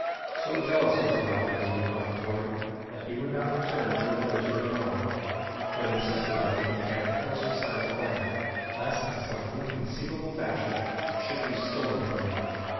So jealous was the black of his new found toy that he would not return to the village of Numabo, but insisted on making camp close beside the plane, lest in some inconceivable fashion it should be stolen from him.